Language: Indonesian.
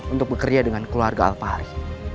untuk bekerja dengan keluarga alfari